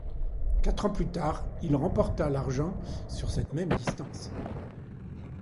Quatre ans plus tard, il remporta l'argent sur cette même distance.